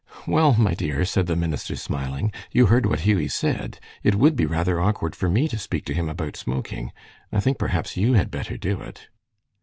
"Well, my dear," said the minister, smiling, "you heard what Hughie said. It would be rather awkward for me to speak to him about smoking. I think, perhaps, you had better do it."